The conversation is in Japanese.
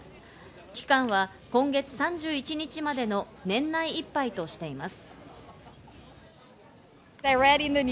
期間は今月３１日までの年内いっぱいとしています。